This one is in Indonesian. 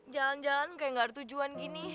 jalan jalan kayak gak ada tujuan gini